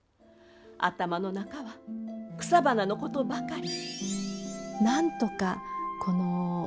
頭の中は草花のことばかり。